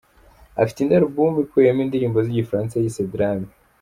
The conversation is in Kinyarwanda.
Afite indi album ikubiyeho indirimbo z’Igifaransa yise ‘Drame’.